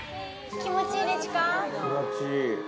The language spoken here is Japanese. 気持ちいい。